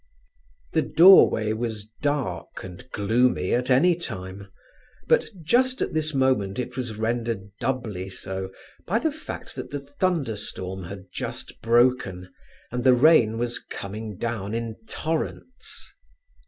The doorway was dark and gloomy at any time; but just at this moment it was rendered doubly so by the fact that the thunder storm had just broken, and the rain was coming down in torrents.